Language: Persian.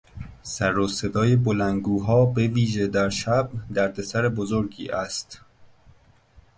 سروصدای بلندگوها به ویژه در شب دردسر بزرگی است.